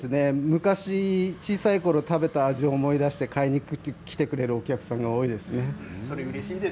昔、小さいころ食べた味を思い出して買いに来てくれるお客さんが多いですね。